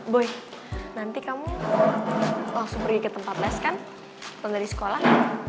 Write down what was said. boy nanti kamu langsung pergi ke tempat tes kan kalau dari sekolah